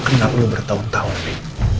gue kenal lo bertahun tahun bi